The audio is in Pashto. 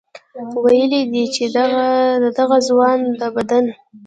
ویلي دي چې د دغه ځوان د بدن